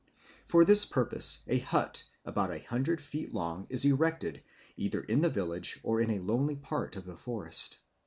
For this purpose a hut about a hundred feet long is erected either in the village or in a lonely part of the forest.